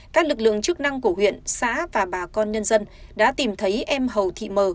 các lực lượng chức năng của huyện xã và bà con nhân dân đã tìm thấy em hầu thị mờ